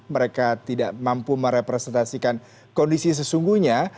mereka tidak mampu merepresentasikan kondisi sesungguhnya